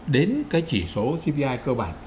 đến cái chỉ số cpi cơ bản